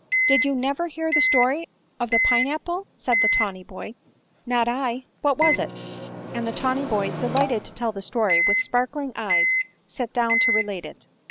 Did you never hear the story of the pine apple ?" said the tawny boy. " Not I. What was it ?" and the tawny boy, delighted to tell the story, with sparkling eyes sat down to relate it.